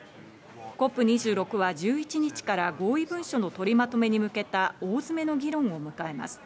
ＣＯＰ２６は１１日から合意文書の取りまとめに向けた大詰めの議論を迎えます。